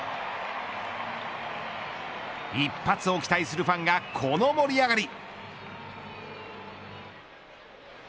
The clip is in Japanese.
一発を期待するファンがこの盛り上がり。